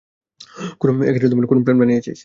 কোনো প্ল্যান বানিয়েছিস।